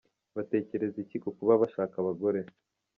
Batekereza iki ku kuba bashaka abagore?.